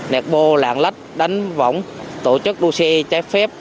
nẹt bô lạng lách đánh võng tổ chức đua xe trái phép